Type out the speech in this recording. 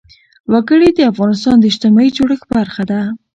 وګړي د افغانستان د اجتماعي جوړښت برخه ده.